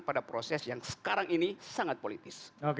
pada proses yang sekarang ini sangat politis